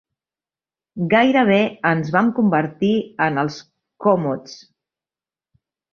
Gairebé ens vam convertir en "Els Commodes".